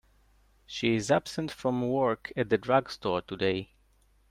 She is absent from work at the drug store today.